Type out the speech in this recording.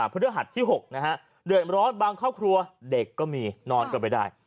พฤหัสที่๖นะฮะเดือดร้อนบางครอบครัวเด็กก็มีนอนก็ไม่ได้